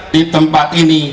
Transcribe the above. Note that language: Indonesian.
di tempat ini